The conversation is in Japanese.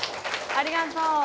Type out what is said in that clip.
ありがとう。